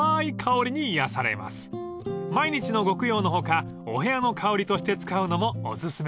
［毎日のご供養の他お部屋の香りとして使うのもお薦めです］